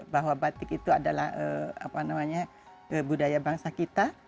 bahwa batik itu adalah budaya bangsa kita